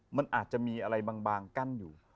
มันอาจจะมีอะไรบางกั้นอยู่